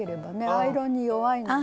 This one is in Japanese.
アイロンに弱いので。